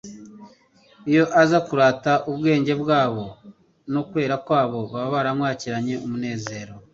iyo aza kurata ubwenge bwabo no kwera kwabo, baba baramwakiranye umunezero.